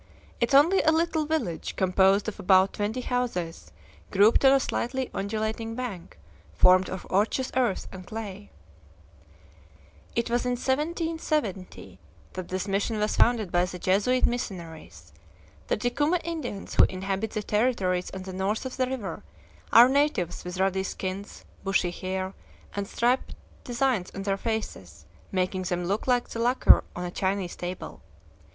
It is only a little village, composed of about twenty houses, grouped on a slightly undulating bank, formed of ocherous earth and clay. It was in 1770 that this mission was founded by the Jesuit missionaries. The Ticuma Indians, who inhabit the territories on the north of the river, are natives with ruddy skins, bushy hair, and striped designs on their faces, making them look like the lacquer on a Chinese table.